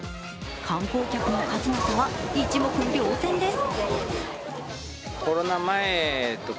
観光客の数の差は一目瞭然です。